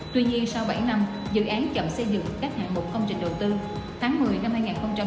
tuy nhiên sau bảy năm dự án chậm xây dựng các hạng mục công trình đầu tư